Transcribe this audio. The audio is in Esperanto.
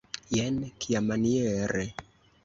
Jen kiamaniere!